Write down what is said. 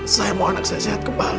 saya mohon anak saya sehat kembali